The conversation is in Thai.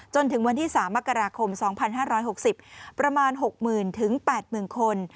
จนถึงวันที่๓มกราคม๒๕๖๐ประมาณ๖๐๐๐๘๐๐๐คน